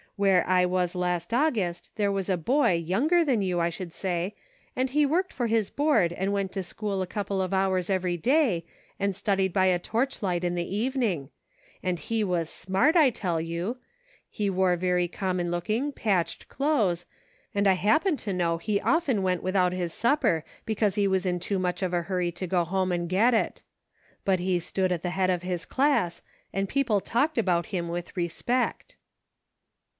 Where I was last August, there was a boy, younger than you, I should say, and he worked for his board and went to school a couple of hours every day, and studied by a torch light in the evening ; and he was smart, I tell you ; he wore very common looking, patched clothes, and I happen to know he often went with out his supper because he was in too much of a hurry to go home and get it ; but he stood at the head of the class, and people talked about him with respect."